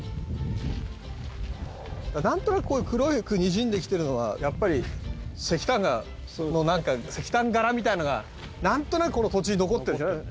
なんとなくこう黒くにじんできているのはやっぱり石炭のなんか石炭ガラみたいなのがなんとなくこの土地に残ってるんでしょうね。